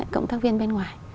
cộng tác viên bên ngoài